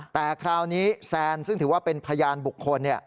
แต่คราวนี้แซนซึ่งถือว่าเป็นพยานบุคคล